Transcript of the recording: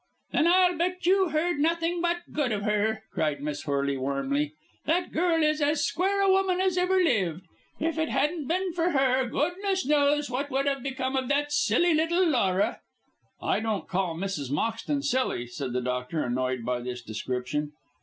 "Then I'll bet you heard nothing but good of her," cried Miss Horley, warmly. "That girl is as square a woman as ever lived. If it hadn't been for her, goodness knows what would have become of that silly little Laura." "I don't call Mrs. Moxton silly," said the doctor, annoyed by this description.